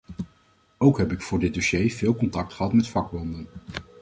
Ook heb ik voor dit dossier veel contact gehad met vakbonden.